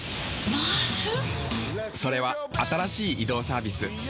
それは新しい移動サービス「ＭａａＳ」。